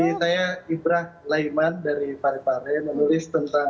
jadi saya ibrah laiman dari parepare menulis tentang sosok pak habibie yang